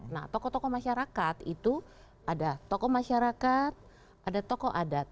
nah tokoh tokoh masyarakat itu ada tokoh masyarakat ada tokoh adat